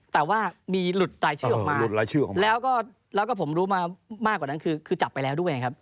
แต่ว่ามีหลุดรายชื่อออกมาแล้วก็ผมรู้มากกว่านั้นคือจับไปแล้วด้วยครับ